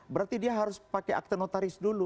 berarti dia harus pakai akte notaris dulu